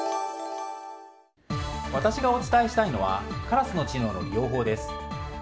私がお伝えしたいのはカラスの知能の利用法です。